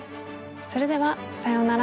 それではさようなら！